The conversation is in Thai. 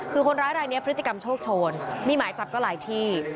คือคนร้ายรายนี้พฤติกรรมโชคโชนมีหมายจับก็หลายที่